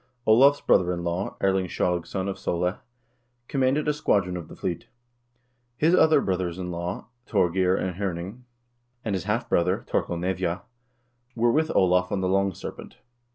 Olav's brother in law, Erling Skjalgsson of Sole, commanded a squadron of the fleet. His other brothers in law, Thorgeir and Hyrning, and his half brother, Thorkel Nevja, were with Olav on the "Long Serpent."